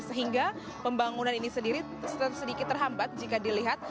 sehingga pembangunan ini sendiri sedikit terhambat jika dilihat